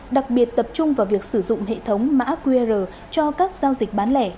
đặc biệt tập trung vào việc sử dụng hệ thống mã qr cho các giao dịch bán lẻ